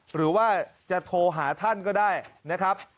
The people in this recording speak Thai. หรือว่าจะโทรหาท่านก็ได้นะครับ